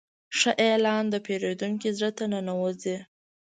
ښه اعلان د پیرودونکي زړه ته ننوځي.